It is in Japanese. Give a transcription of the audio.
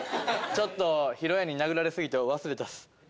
ちょっとひろやんに殴られすぎて忘れたっす。